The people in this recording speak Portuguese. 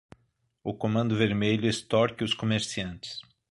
O comando vermelho extorque os comerciantes.